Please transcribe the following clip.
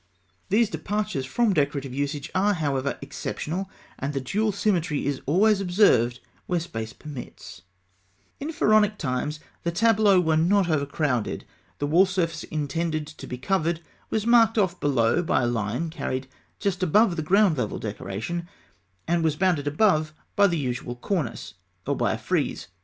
These departures from decorative usage are, however, exceptional, and the dual symmetry is always observed where space permits. [Illustration: Fig. 106. Frieze of uraei and cartouches.] In Pharaonic times, the tableaux were not over crowded. The wall surface intended to be covered was marked off below by a line carried just above the ground level decoration, and was bounded above by the usual cornice, or by a frieze.